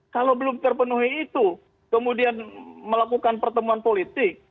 kalau belum terpenuhi itu kemudian melakukan pertemuan politik